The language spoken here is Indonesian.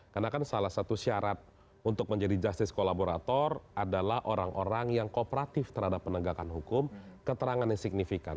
karena kan salah satu syarat untuk menjadi justice collaborator adalah orang orang yang kooperatif terhadap penegakan hukum keterangannya signifikan